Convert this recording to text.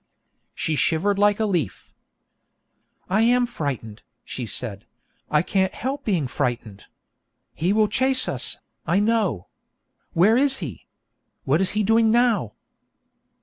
She shivered like a leaf. 'I am frightened,' she said; 'I can't help being frightened. He will chase us, I know. Where is he? What is he doing now?'